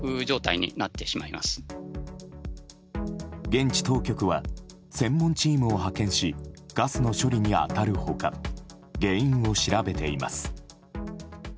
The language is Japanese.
現地当局は専門チームを派遣しガスの処理に当たる他原因を調べています。